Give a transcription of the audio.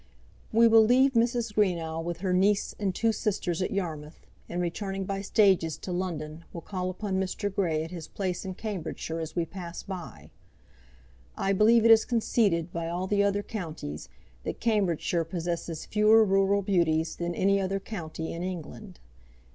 We will leave Mrs. Greenow with her niece and two sisters at Yarmouth, and returning by stages to London, will call upon Mr. Grey at his place in Cambridgeshire as we pass by. I believe it is conceded by all the other counties, that Cambridgeshire possesses fewer rural beauties than any other county in England.